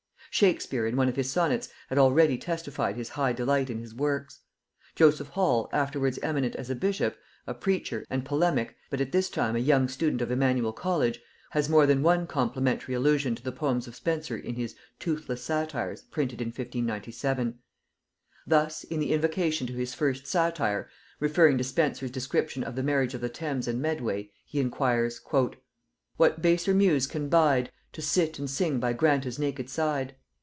Shakespeare in one of his sonnets had already testified his high delight in his works; Joseph Hall, afterwards eminent as a bishop, a preacher, and polemic, but at this time a young student of Emanuel college, has more than one complimentary allusion to the poems of Spenser in his "Toothless Satires" printed in 1597. Thus, in the invocation to his first satire, referring to Spenser's description of the marriage of the Thames and Medway, he inquires, ..."what baser Muse can bide To sit and sing by Granta's naked side?